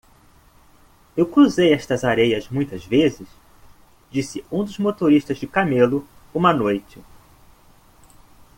"Eu cruzei estas areias muitas vezes?" disse um dos motoristas de camelo uma noite.